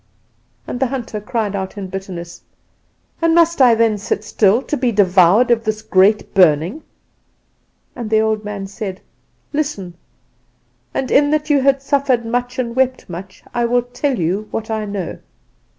"And the hunter cried out in bitterness "'And must I then sit still, to be devoured of this great burning?' "And the old man said, "'Listen, and in that you have suffered much and wept much, I will tell you what I know.